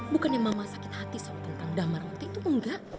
bukannya mama sakit hati sama tentang damar waktu itu enggak